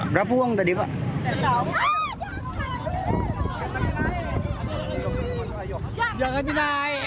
berapa uang tadi pak